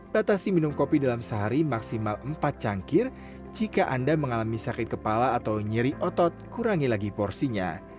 batasi minum kopi dalam sehari maksimal empat cangkir jika anda mengalami sakit kepala atau nyeri otot kurangi lagi porsinya